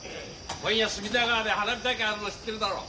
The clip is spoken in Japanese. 今夜隅田川で花火大会あるの知ってるだろ。